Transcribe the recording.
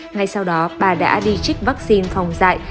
ngay sau đó bà đã đi trích vaccine phòng dạy